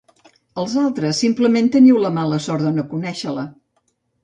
Els altres, simplement teniu la mala sort de no conèixer-la.